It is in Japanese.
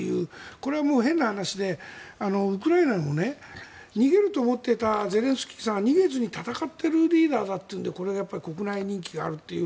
これは変な話で、ウクライナも逃げると思っていたゼレンスキーさんが逃げずに戦っているリーダーだというのでこれがやっぱり国内人気があるという。